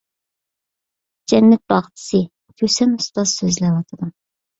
«جەننەت باغچىسى»، كۈسەن ئۇستاز سۆزلەۋاتىدۇ.